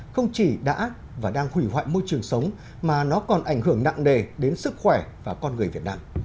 không chỉ đã và đang hủy hoại môi trường sống mà nó còn ảnh hưởng nặng nề đến sức khỏe và con người việt nam